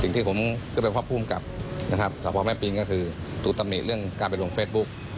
สิ่งที่ผมคือเป็นความภูมิกับสอบบอกแม่ปีนก็คือตูตำนีเรื่องการเป็นวงเฟซบุ๊ก